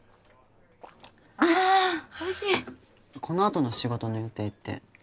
このあとの仕事の予定って。